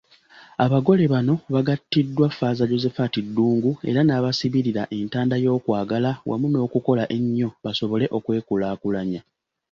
Abagole bano bagattiddwa Faaza Josephat Ddungu era n'abasibirira entanda y'okwagala wamu n'okukola ennyo basobole okwekulaakulanya.